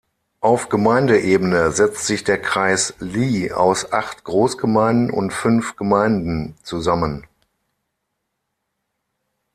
Auf Gemeindeebene setzt sich der Kreis Li aus acht Großgemeinden und fünf Gemeinden zusammen.